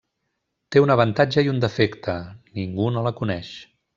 Té un avantatge i un defecte: ningú no la coneix.